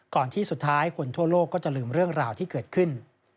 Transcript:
ที่สุดท้ายคนทั่วโลกก็จะลืมเรื่องราวที่เกิดขึ้น